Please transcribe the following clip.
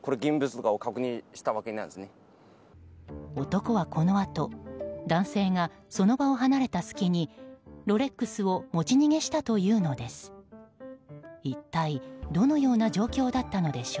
男はこのあと、男性がその場を離れた隙にロレックスを持ち逃げしたというのです。